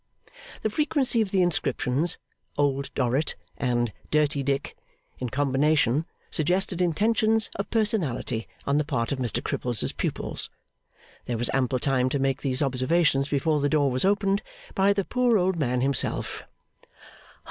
The frequency of the inscriptions, 'Old Dorrit,' and 'Dirty Dick,' in combination, suggested intentions of personality on the part Of Mr Cripples's pupils. There was ample time to make these observations before the door was opened by the poor old man himself.